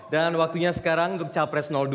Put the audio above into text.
dan waktunya sekarang untuk capres dua